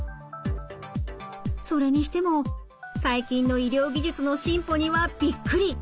それにしても最近の医療技術の進歩にはびっくり！